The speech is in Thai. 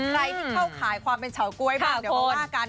ใครที่เข้าขายความเป็นเฉาก๊วยบ้างเดี๋ยวมาว่ากัน